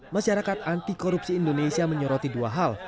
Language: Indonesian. masyarakat antikorupsi indonesia menyoroti dua hal